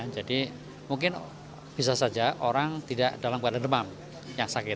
jadi mungkin bisa saja orang tidak dalam keadaan remam yang sakit